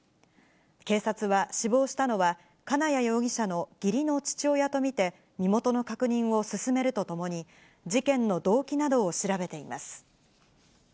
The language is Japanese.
警察は、死亡したのは金谷容疑者の義理の父親と見て、身元の確認を進めるとともに、事件の動機などを調べています。